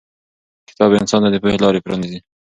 کتاب انسان ته د پوهې لارې پرانیزي.